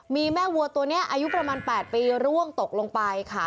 มีแม่วัวตัวนี้อายุประมาณ๘ปีร่วงตกลงไปค่ะ